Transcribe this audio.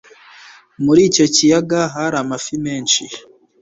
muri icyo kiyaga hari amafi menshi